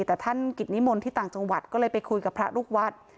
แต่ท่านกิจนิมนต์ที่ต่างจังหวัดก็เลยไปคุยกับพระลูกวัด